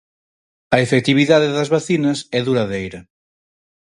A efectividade das vacinas é duradeira.